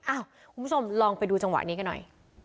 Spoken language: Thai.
คุณผู้ชมลองไปดูจังหวะนี้กันหน่อย